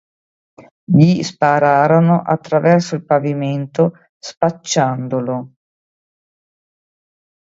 Gli spararono attraverso il pavimento, spacciandolo.